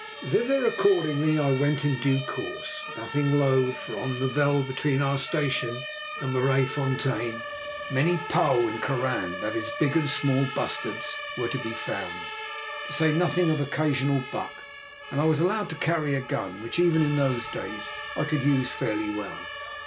Thither, accordingly, I went in due course, nothing loth, for on the veld between our station and Maraisfontein many pauw and koran—that is, big and small bustards—were to be found, to say nothing of occasional buck, and I was allowed to carry a gun, which even in those days I could use fairly well.